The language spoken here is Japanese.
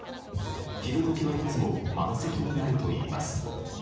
昼時はいつも満席になるといいます。